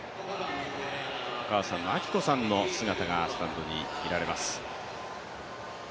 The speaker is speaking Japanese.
お母さんの明子さんの姿がスタンドに見られます。